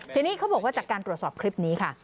ทีนี้เขาบอกว่าจากการตรวจสอบคลิปนี้ค่ะ